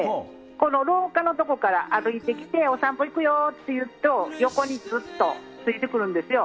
この廊下のところから歩いてきてお散歩行くよって言うと横にずっとついてくるんですよ。